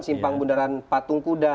simpang bundaran patung kuda